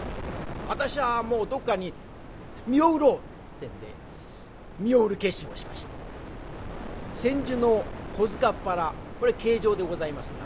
私はもうどっかに身を売ろうってんで身を売る決心をしまして千住の小塚原これ刑場でございますが。